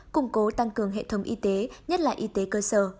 củng cố tăng cường hệ thống y tế nhất là y tế cơ sở